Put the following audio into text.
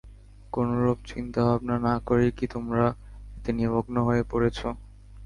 কোনরূপ চিন্তা-ভাবনা না করেই কি তোমরা এতে নিমগ্ন হয়ে পড়েছ?